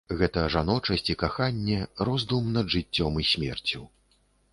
Гэта жаночасць і каханне, роздум над жыццём і смерцю.